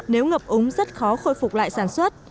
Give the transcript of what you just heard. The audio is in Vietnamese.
nếu ngập úng rất khó khôi phục lại sản xuất